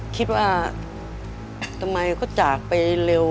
คิดว่าทำไมเขาจากไปเร็ว